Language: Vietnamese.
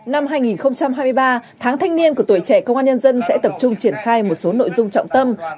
năm hai nghìn hai mươi ba tháng thanh niên của tuổi trẻ công an nhân dân sẽ tập trung triển khai một số nội dung trọng tâm